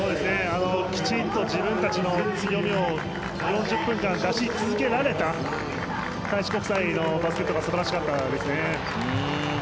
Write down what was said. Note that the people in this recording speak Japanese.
きちんと自分たちの強みを４０分間出し続けられた開志国際のバスケットが素晴らしかったですね。